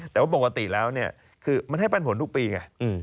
แต่ปกติแล้วมันให้ปันผลทุกปียี่ย